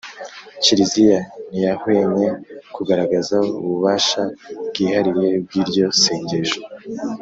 “kiliziya ntiyahwemye kugaragaza ububasha bwihariye bw’ryo sengesho